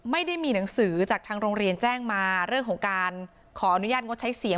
ไม่ได้มีหนังสือจากทางโรงเรียนแจ้งมาเรื่องของการขออนุญาตงดใช้เสียง